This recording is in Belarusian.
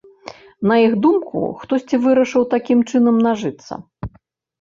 На іх думку, хтосьці вырашыў такім чынам нажыцца.